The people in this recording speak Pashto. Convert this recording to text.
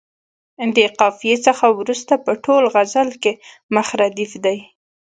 د قافیې څخه وروسته په ټول غزل کې مخ ردیف دی.